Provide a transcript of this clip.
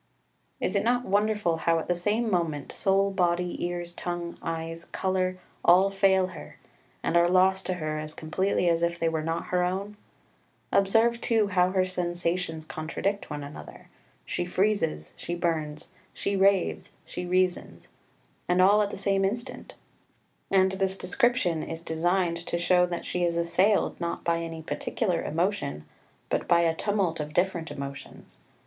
3 Is it not wonderful how at the same moment soul, body, ears, tongue, eyes, colour, all fail her, and are lost to her as completely as if they were not her own? Observe too how her sensations contradict one another she freezes, she burns, she raves, she reasons, and all at the same instant. And this description is designed to show that she is assailed, not by any particular emotion, but by a tumult of different emotions.